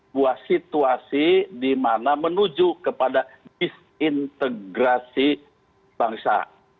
sebuah situasi di mana menuju kepada disintegrasi bangsa